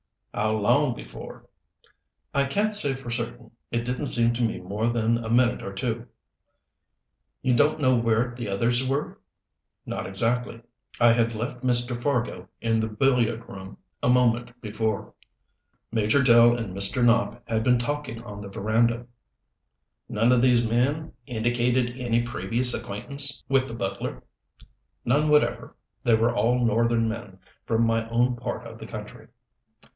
"How long before?" "I can't say for certain. It didn't seem to me more than a minute or two." "You don't know where the others were?" "Not exactly. I had left Mr. Fargo in the billiard room a moment before. Major Dell and Mr. Nopp had been talking on the veranda." "None of these men indicated any previous acquaintance with the butler?" "None whatever. They were all northern men, from my own part of the country."